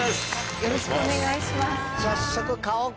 よろしくお願いします。